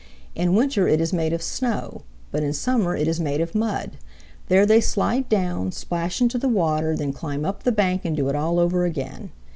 In winter it is made of snow, but in summer it is made of mud. There they slide down, splash into the water, then climb up the bank and do it all over again.